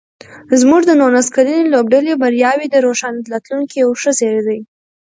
زموږ د نولس کلنې لوبډلې بریاوې د روښانه راتلونکي یو ښه زېری دی.